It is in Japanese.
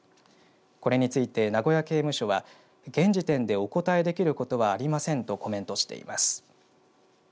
これについて名古屋刑務所は現時点でお答えできることはありませんとコメントしています。